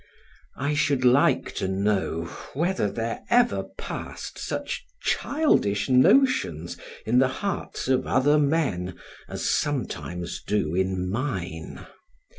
I should like to know whether there ever passed such childish notions in the hearts of other men as sometimes do in mine.